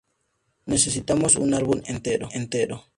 Necesitamos un álbum entero'.